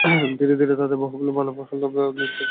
ধীরে ধীরে তাদের বাহুবল দুর্বল ও নিস্তেজ হয়ে আসছে।